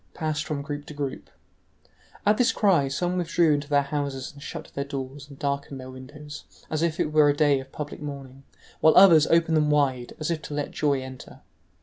passed from group to group. At this cry some withdrew into their houses and shut their doors and darkened their windows, as if it were a day of public mourning, while others opened them wide, as if to let joy enter.